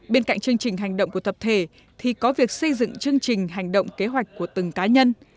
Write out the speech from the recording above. bên cạnh chương trình hành động của tập thể thì có việc xây dựng chương trình hành động kế hoạch của từng cá nhân